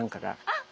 あっ！